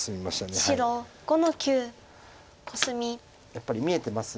やっぱり見えてます。